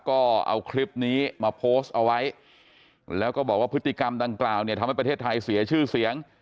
ก็เอาคลิปนี้มาโพสต์เอาไว้แล้วก็บอกว่าพฤติกรรมดังกล่าวเนี่ยทำให้ประเทศไทยเสียชื่อเสียง